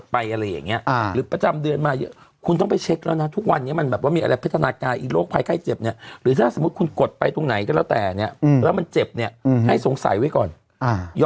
พี่นางป่วตท้องในกองนะเขาตกเช็ด